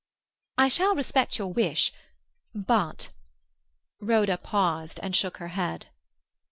"I shall respect your wish; but—" Rhoda paused and shook her head.